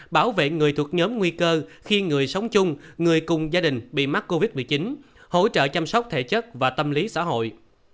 bảo vệ người thuộc nhóm nguy cơ khi người sống chung người cùng gia đình bị mắc covid một mươi chín hỗ trợ chăm sóc thể chất và tâm lý xã hội